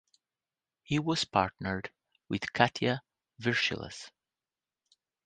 He was partnered with Katya Virshilas.